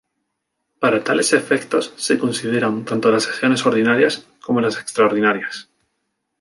Para tales efectos, se consideran tanto las sesiones ordinarias como las extraordinarias.